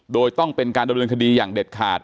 โดยต้องเป็นการดำเนินคดีอย่างเด็ดขาด